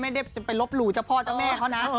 ไม่ได้จะไปลบหลู่เจ้าพ่อเจ้าแม่เขานะ